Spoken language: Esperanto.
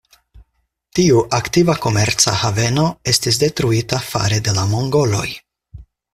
Tiu aktiva komerca haveno estis detruita fare de la mongoloj.